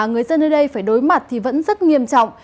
người dân ở đây phải đối mặt thì vẫn rất nghiêm trọng